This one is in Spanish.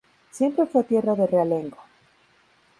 Siempre fue tierra de realengo.